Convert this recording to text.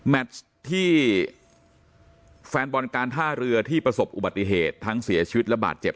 ที่แฟนบอลการท่าเรือที่ประสบอุบัติเหตุทั้งเสียชีวิตและบาดเจ็บ